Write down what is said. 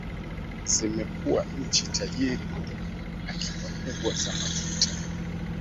zimekuwa nchi tajiri kutokana na akiba kubwa za mafuta